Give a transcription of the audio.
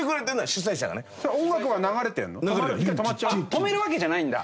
止めるわけじゃないんだ。